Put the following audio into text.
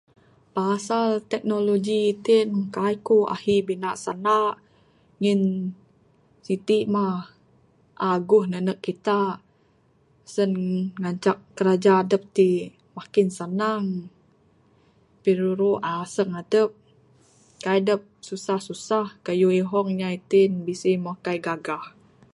Pasal teknologi iti ne, kai kuk ahi bina sanda ngin sitik mah aguh nene kitak. Sien ngancak kraja adup ti makin senang. Piruru asung adup. Kai dup susah susah. Kayuh ihong inya iti bisi moh kai gagah.